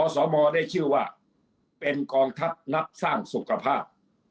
สมได้ชื่อว่าเป็นกองทัพนักสร้างสุขภาพ